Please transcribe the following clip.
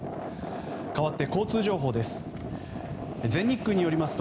かわって、交通情報です。